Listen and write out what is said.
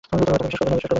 তাকে বিশ্বাস করবেন না।